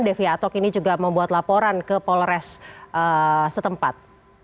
devi atok ini juga membuat laporan ke polres setempat